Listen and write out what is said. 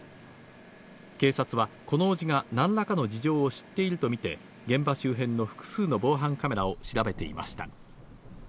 警察は、この伯父がなんらかの事情を知っていると見て、現場周辺の複数の防犯カメラを調べていました。